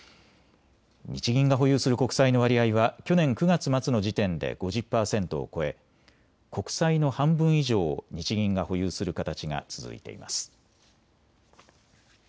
日銀が保有する国債の割合は去年９月末の時点で５０％を超え国債の半分以上を日銀が保有する形が続いています。